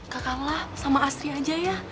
kak carla sama astrid saja ya